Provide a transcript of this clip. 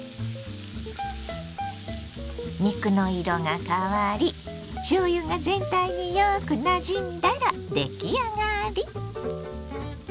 肉の色が変わりしょうゆが全体によくなじんだら出来上がり。